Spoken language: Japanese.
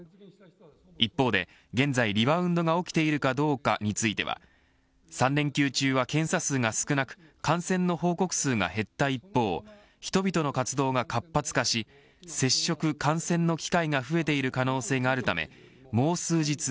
一方で、現在リバウンドが起きているかどうかについては３連休中は検査数が少なく感染の報告数が減った一方人々の活動が活発化し接触、感染の機会が増えている可能性があるためもう数日